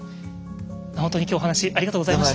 本当に今日お話ありがとうございました。